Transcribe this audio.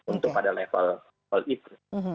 untuk pada level itu